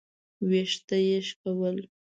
ويښته يې شکول.